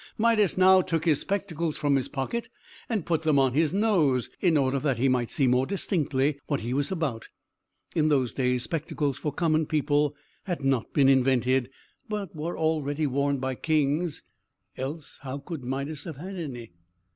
Midas now took his spectacles from his pocket, and put them on his nose, in order that he might see more distinctly what he was about. In those days, spectacles for common people had not been invented, but were already worn by kings: else, how could Midas have had any?